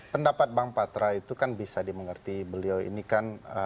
pendapat bang patra itu kan bisa dimengerti beliau ini kan